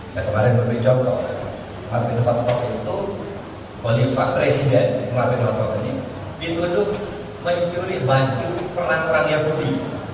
ya kemarin menurut jokowi pak bin hotto itu polifak presiden pak bin hotto ini dituduh mencuri baju perang perang yang budi